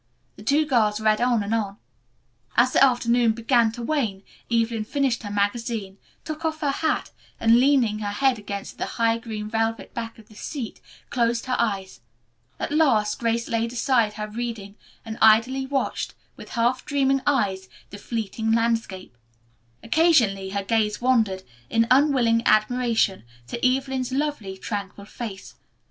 The two girls read on and on. As the afternoon began to wane Evelyn finished her magazine, took off her hat, and, leaning her head against the high green velvet back of the seat, closed her eyes. At last Grace laid aside her reading, and idly watched, with half dreaming eyes, the fleeting landscape. Occasionally her gaze wandered, in unwilling admiration, to Evelyn's lovely, tranquil face.